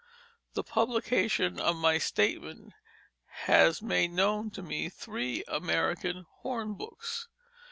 The publication of my statement has made known to me three American hornbooks.